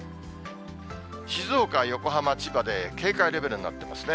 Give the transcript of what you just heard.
静岡、横浜、千葉で警戒レベルになってますね。